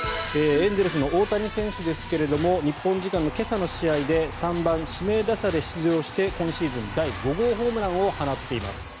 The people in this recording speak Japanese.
エンゼルスの大谷選手ですが日本時間の今朝の試合で３番指名打者で出場して今シーズン第５号ホームランを放っています。